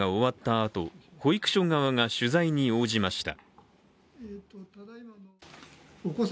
あと保育所側が取材に応じました。